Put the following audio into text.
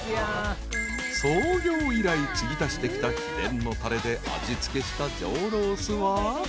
［創業以来つぎ足してきた秘伝のたれで味付けした上ロースは］